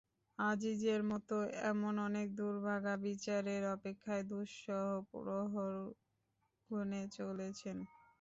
আজিজের মতো এমন অনেক দুর্ভাগা বিচারের অপেক্ষায় দুঃসহ প্রহর গুনে চলেছেন।